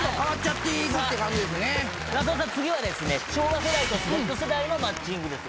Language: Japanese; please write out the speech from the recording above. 次はですね昭和世代とＺ世代のマッチングです。